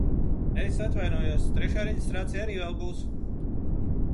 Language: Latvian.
Es atvainojos, trešā reģistrācija arī vēl būs!